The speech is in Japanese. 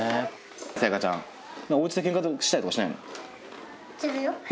さやかちゃん、おうちでけんかしたりとかしないの？